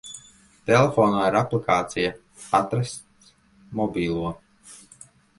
Telefonā ir aplikācija "Atrast mobilo".